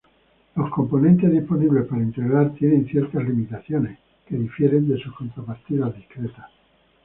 Los componentes disponibles para integrar tienen ciertas limitaciones, que difieren de sus contrapartidas discretas.